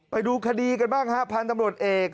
ไปดูคดีกันบ้างฮะพันธุ์ตำรวจเอก